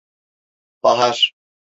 Bahar…